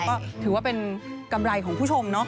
ก็ถือว่าเป็นกำไรของผู้ชมเนาะ